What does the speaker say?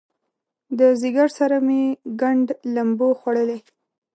د ځیګر سره مې ګنډ لمبو خوړلی